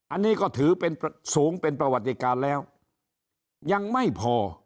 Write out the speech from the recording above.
อันนี้ก็ถือเป็นสูงเป็นประวัติการแล้วยังไม่พอ